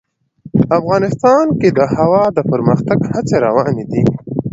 افغانستان کې د هوا د پرمختګ هڅې روانې دي.